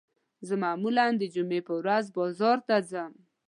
زه معمولاً د جمعې په ورځ بازار ته ځم